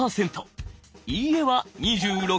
「いいえ」は２６％。